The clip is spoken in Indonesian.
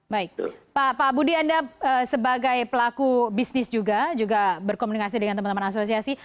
baik pak budi anda sebagai pelaku bisnis juga berkomunikasi dengan teman teman asosiasi